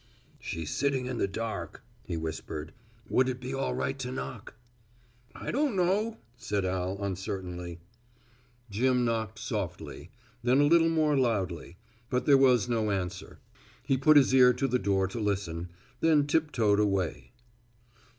"She's sitting in the dark," he whispered, "Would it be all right to knock!" "I don't know," said Al uncertainly. Jim knocked softly, then a little more loudly, but there was no answer. He put his ear to the door to listen, then tip toed away.